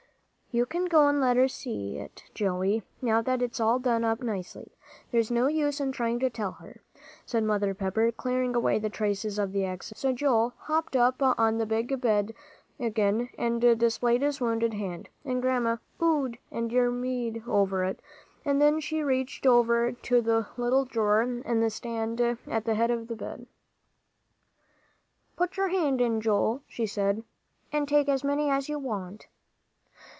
"You can go and let her see it, Joey, now that it's all done up nicely. There's no use in trying to tell her," said Mother Pepper, clearing away the traces of the accident. So Joel hopped up on the big bed again and displayed his wounded hand, and Grandma oh ed and dear me ed over it, and then she reached over to the little drawer in the stand at the head of the bed. "Put your hand in, Joel," she said, "and take as many's you want."